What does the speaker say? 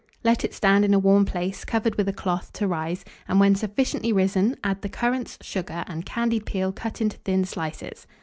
Let it stand in a warm place, covered with a cloth, to rise, and, when sufficiently risen, add the currants, sugar, and candied peel cut into thin slices.